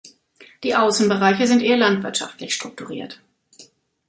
Die Außenbereiche sind eher landwirtschaftlich strukturiert.